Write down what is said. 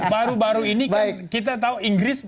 baru baru ini kan kita tahu inggris